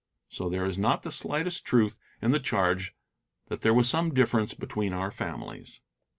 So there is not the slightest truth in the charge that there was some difference between our families.